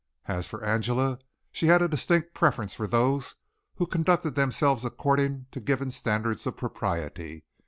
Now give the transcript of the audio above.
As for Angela, she had a distinct preference for those who conducted themselves according to given standards of propriety.